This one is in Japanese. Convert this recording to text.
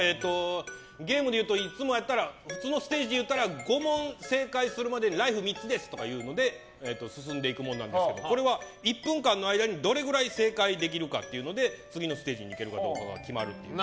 ゲームでいうといつもやったら普通のステージでいったら５問正解するうちにライフ３つですという感じで進んでいくんですがこれは１分間の間にどれくらい正解できるかというので次のステージにいけるか決まる。